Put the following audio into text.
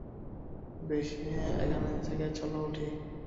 বেশ, এখান থেকে চলো, টনি।